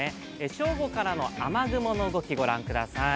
正午からの雨雲の動き、ご覧ください。